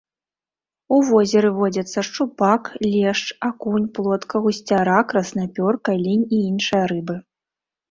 У возеры водзяцца шчупак, лешч, акунь, плотка, гусцяра, краснапёрка, лінь і іншыя рыбы.